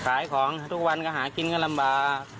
ขายของทุกวันก็หากินก็ลำบาก